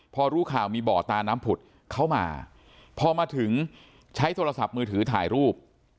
พอรู้ข่าวมีบ่อตาน้ำผุดเข้ามาพอมาถึงใช้โทรศัพท์มือถือถ่ายรูป